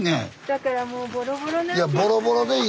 だからもうボロボロなんです。